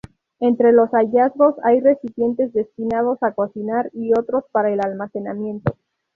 Entre los hallazgos hay recipientes destinados a cocinar y otros para el almacenamiento.